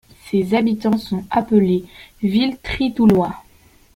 Ses habitants sont appelés les Villetritoulois.